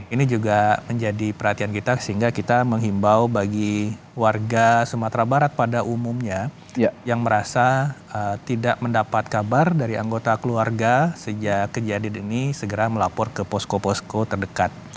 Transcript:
ini juga menjadi perhatian kita sehingga kita menghimbau bagi warga sumatera barat pada umumnya yang merasa tidak mendapat kabar dari anggota keluarga sejak kejadian ini segera melapor ke posko posko terdekat